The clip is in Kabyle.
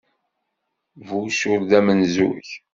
Bush ur d amenzug.